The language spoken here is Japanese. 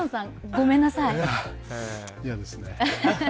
嫌ですね。